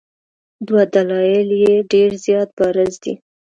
دوه دلایل یې ډېر زیات بارز دي.